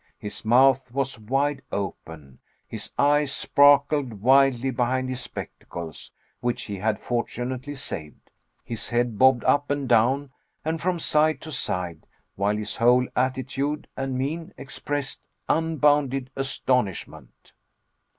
His mouth was wide open; his eyes sparkled wildly behind his spectacles (which he had fortunately saved), his head bobbed up and down and from side to side, while his whole attitude and mien expressed unbounded astonishment.